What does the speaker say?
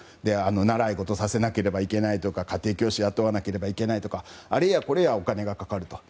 習い事をさせなければいけないとか家庭教師を雇わなければいけないとかあれやこれやとお金がかかると。